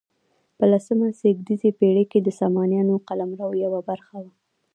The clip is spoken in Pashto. په لسمه زېږدیزې پیړۍ کې د سامانیانو قلمرو یوه برخه وه.